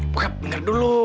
bokap denger dulu